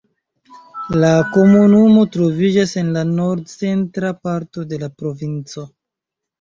La komunumo troviĝas en la nord-centra parto de la provinco.